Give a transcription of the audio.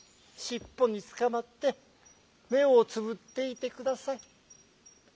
しっぽにつかまってめをつぶっていてください」。